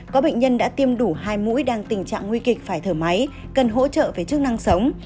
có bệnh nhân đã tiêm đủ hai mũi đang tình trạng nguy kịch phải thở máy cần hỗ trợ về chức năng sống